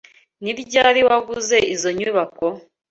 Ni ryari waguze izoi nyubako?